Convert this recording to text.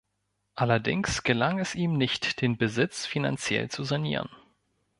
Allerdings gelang es ihm nicht, den Besitz finanziell zu sanieren.